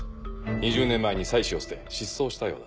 ２０年前に妻子を捨て失踪したようだ。